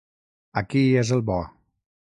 Aquí és el bo.